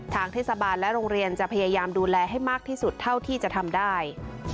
ทางเทศบาลและโรงเรียนจะพยายามดูแลให้มากที่สุดเท่าที่จะทำได้